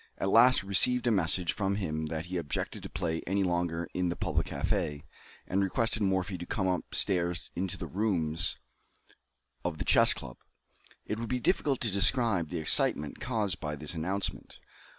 At last we received a message from him that he objected to play any longer in the public café, and requested Morphy to come up stairs into the rooms of the Chess Club. It would be difficult to describe the excitement caused by this announcement.